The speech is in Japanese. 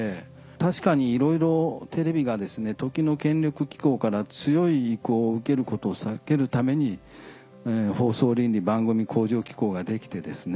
確かにいろいろテレビがですね時の権力機構から強い意向を受けることを避けるために放送倫理・番組向上機構ができてですね。